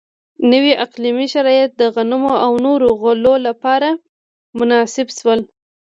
نوي اقلیمي شرایط د غنمو او نورو غلو لپاره مناسب شول.